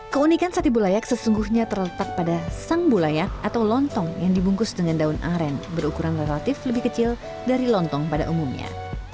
keunikan sati bulayak sesungguhnya terletak pada sang bulayak atau lontong yang dibungkus dengan daun aren berukuran relatif lebih kecil dari lontong pada umumnya